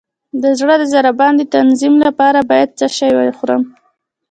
د زړه د ضربان د تنظیم لپاره باید څه شی وخورم؟